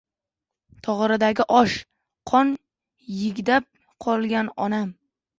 Tog‘oradagi osh. Qon yigTab qolgan onam.